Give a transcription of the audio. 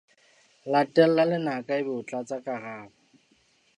Latella lenaka ebe o tlatsa karabo.